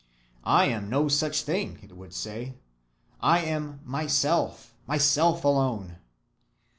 "I am no such thing," it would say; "I am MYSELF, MYSELF alone."